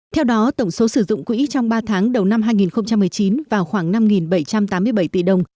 theo đó tổng số sử dụng quỹ trong ba tháng đầu năm hai nghìn một mươi chín vào khoảng năm bảy trăm tám mươi bảy tỷ đồng